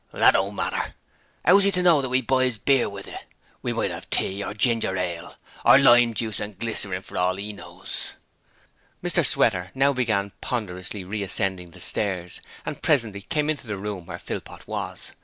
'That don't matter. 'Ow's 'e to know that we buys beer with it? We might 'ave tea, or ginger ale, or lime juice and glycerine for all 'e knows!' Mr Sweater now began ponderously re ascending the stairs and presently came into the room where Philpot was.